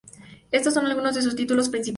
Estos son algunos de sus títulos principales.